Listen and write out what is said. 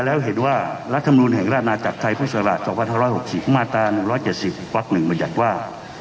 แล้วเห็นว่ารัฐมนุนแห่งราชนาจักรไทยพุทธศาลาฯสวัสดิ์๑๖๐มาตรา๑๗๐วักหนึ่งบัญญัติว่า